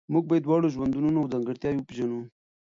موږ باید د دواړو ژوندونو ځانګړتیاوې وپېژنو.